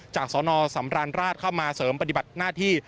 สนสำราญราชเข้ามาเสริมปฏิบัติหน้าที่